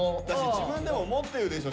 自分でも思ってるでしょ